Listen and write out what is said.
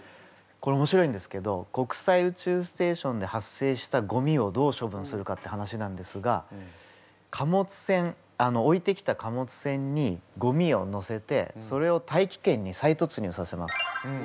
これおもしろいんですけど国際宇宙ステーションで発生したゴミをどう処分するかって話なんですが貨物船置いてきた貨物船にゴミをのせてそれを大気圏に再突入させます。